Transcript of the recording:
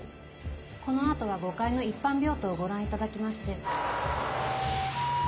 この後は５階の一般病棟をご覧いただきまして。